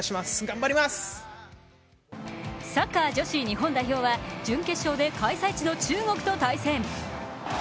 サッカー女子日本代表は準決勝で開催地の中国と対戦。